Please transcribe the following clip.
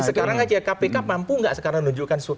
sekarang saja kpik mampu tidak sekarang menunjukkan